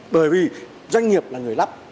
bởi vì doanh nghiệp là người lắp